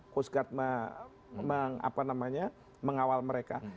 coast guard mengawal mereka